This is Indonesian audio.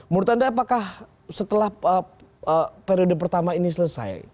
menurut anda apakah setelah periode pertama ini selesai